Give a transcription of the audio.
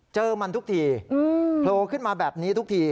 เจอมันทุกทีโผล่ขึ้นมาแบบนี้ทุกที